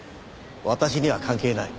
私には関係ない。